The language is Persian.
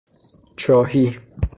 چاهی